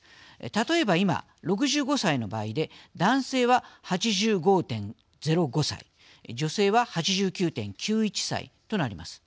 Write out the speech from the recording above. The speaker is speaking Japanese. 例えば、今６５歳の場合で男性は８５．０５歳女性は８９．９１歳となります。